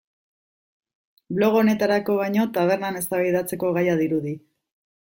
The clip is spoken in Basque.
Blog honetarako baino tabernan eztabaidatzeko gaia dirudi.